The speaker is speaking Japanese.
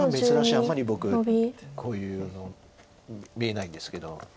あんまり僕こういうの見えないんですけど。